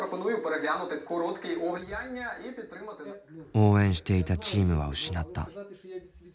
応援していたチームは失った。